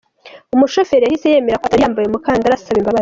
Umushoferi yahise yemera ko atari yambaye umukandara asaba imbabazi.